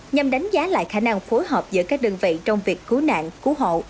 nhằm đánh giá lại khả năng phối hợp giữa các đơn vị trong việc cứu nạn cứu hộ